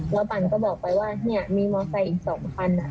แล้วปันก็บอกไปว่าเนี่ยมีมอไซค์อีก๒คัน